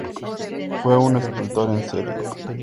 Fue un escultor en serie.